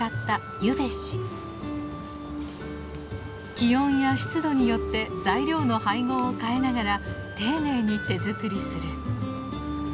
気温や湿度によって材料の配合を変えながら丁寧に手作りする。